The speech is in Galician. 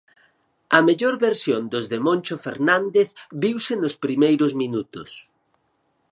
A mellor versión dos de Moncho Fernández viuse nos primeiros minutos.